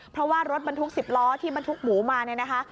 เพราะว่ารถบรรทุก๑๐ล้อที่บรรทุกหมูมาเนี่ยนะคะ